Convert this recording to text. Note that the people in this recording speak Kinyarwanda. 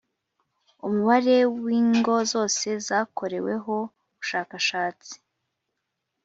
Umubare w ingo zose zakoreweho ubushakashatsi